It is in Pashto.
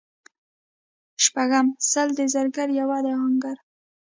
شپږم:سل د زرګر یوه د اهنګر